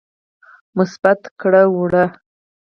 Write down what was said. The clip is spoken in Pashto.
مثبت کړه وړه